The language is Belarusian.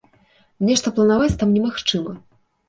Нешта планаваць там немагчыма.